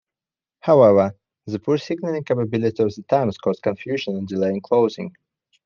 However, the poor signalling capability of the times caused confusion and delay in closing.